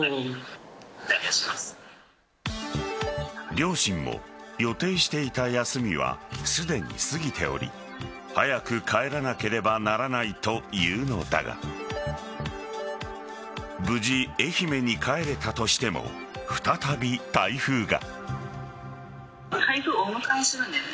両親も予定していた休みはすでに過ぎており早く帰らなければならないというのだが無事、愛媛に帰れたとしても再び台風が。